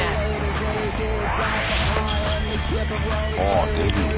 あデビュー。